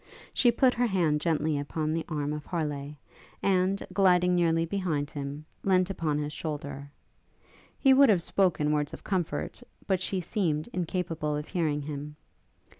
She put her hand gently upon the arm of Harleigh, and, gliding nearly behind him, leant upon his shoulder. He would have spoken words of comfort, but she seemed incapable of hearing him.